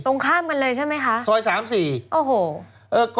ตรงข้ามกันเลยใช่ไหมคะ